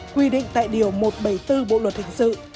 quy định tại điều một trăm bảy mươi bốn bộ luật hình sự